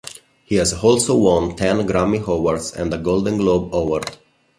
He has also won ten Grammy Awards and a Golden Globe Award.